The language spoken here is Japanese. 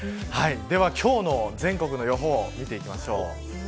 今日の全国の予報を見ていきましょう。